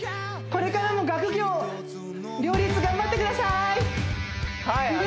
これからも学業両立頑張ってください